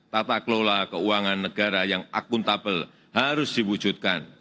tata kelola keuangan negara yang akuntabel harus diwujudkan